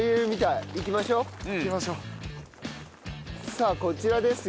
さあこちらですよ。